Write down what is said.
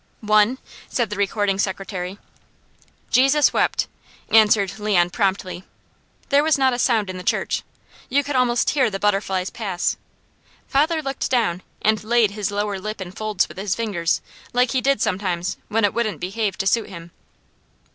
"One," said the recording secretary. "Jesus wept," answered Leon promptly. There was not a sound in the church. You could almost hear the butterflies pass. Father looked down and laid his lower lip in folds with his fingers, like he did sometimes when it wouldn't behave to suit him.